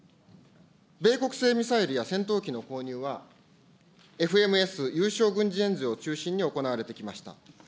米国製ミサイルや戦闘機の購入は、ＦＭＳ・有償軍事援助を中心に行われてきました。